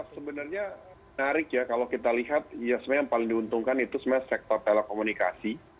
sebenarnya menarik ya kalau kita lihat yang paling diuntungkan itu sektor telekomunikasi